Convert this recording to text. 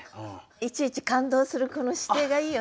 いちいち感動するこの姿勢がいいよね。